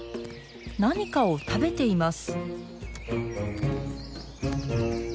何かを食べています。